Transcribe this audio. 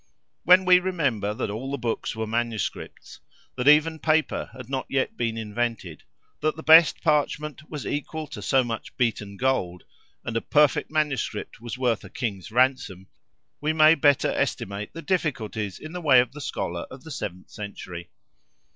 When we remember that all the books were manuscripts; that even paper had not yet been invented; that the best parchment was equal to so much beaten gold, and a perfect MS. was worth a king's ransom, we may better estimate the difficulties in the way of the scholar of the seventh century.